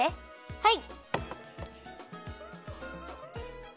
はい。